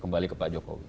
kembali ke pak jokowi